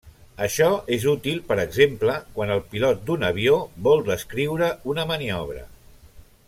Això és útil per exemple quan el pilot d'un avió vol descriure una maniobra.